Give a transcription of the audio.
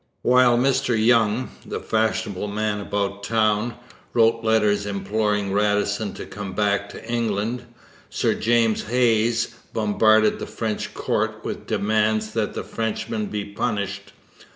While Mr Young, the fashionable man about town, wrote letters imploring Radisson to come back to England, Sir James Hayes bombarded the French court with demands that the Frenchman be punished.